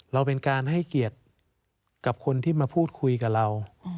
เราเป็นการให้เกียรติกับคนที่มาพูดคุยกับเรา